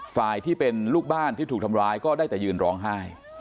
ฝ่ายที่เป็นลูกบ้านที่ถูกทำร้ายก็ได้แต่ยืนร้องไห้